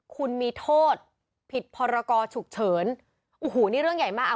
คุณมีโทษผิดพรกรฉุกเฉินโอ้โหนี่เรื่องใหญ่มากอ่ะ